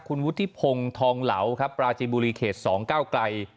คุณวุฒิพงศ์ทองเหลาครับปราจิบุรีเขต๒ก้าวไกล